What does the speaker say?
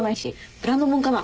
ブランド物かな？